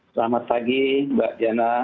selamat pagi mbak diana